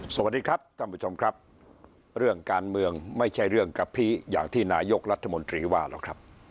สวัสดีครับสวัสดีครับคุณผู้ชมครับเรื่องการเมืองไม่ใช่เรื่องกระพริยางที่นายกราธมนตรีว่าหรอกครับ